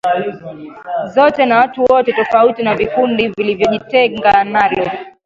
zote na watu wote tofauti na vikundi vilivyojitenga nalo